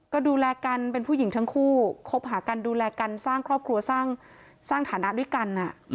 ก็ดูแลกันเป็นผู้หญิงทั้งคู่คบหากันดูแลกันสร้างครอบครัวสร้างฐานะด้วยกัน